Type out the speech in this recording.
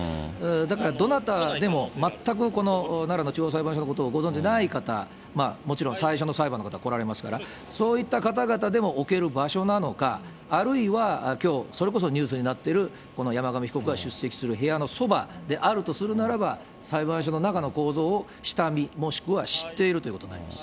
だからどなたでも全くこの奈良の地方裁判所のことをご存じない方、もちろん最初の裁判の方来られますから、そういった方々でも置ける場所なのか、あるいはきょう、それこそニュースになっている、この山上被告が出席する部屋のそばであるとするならば、裁判所の中の構造を下見、もしくは知っているということになります。